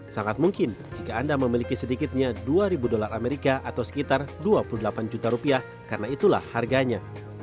sangat mungkin jika anda memiliki sedikitnya dua ribu dolar amerika atau sekitar dua puluh delapan juta rupiah karena itulah harganya